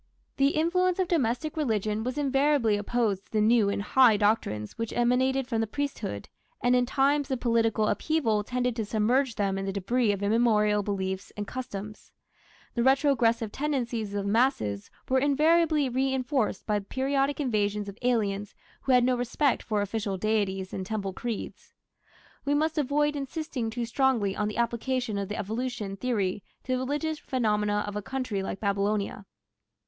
The influence of domestic religion was invariably opposed to the new and high doctrines which emanated from the priesthood, and in times of political upheaval tended to submerge them in the debris of immemorial beliefs and customs. The retrogressive tendencies of the masses were invariably reinforced by the periodic invasions of aliens who had no respect for official deities and temple creeds. We must avoid insisting too strongly on the application of the evolution theory to the religious phenomena of a country like Babylonia.